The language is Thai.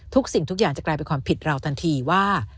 สิ่งทุกอย่างจะกลายเป็นความผิดเราทันทีว่า